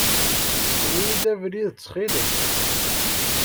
Ssken-iyi-d abrid ttxil-k.